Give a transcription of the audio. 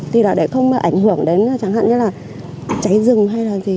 thì là để không ảnh hưởng đến chẳng hạn như là cháy rừng hay là gì